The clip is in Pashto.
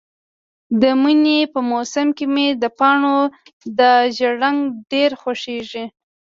د مني په موسم کې مې د پاڼو دا ژېړ رنګ ډېر خوښیږي.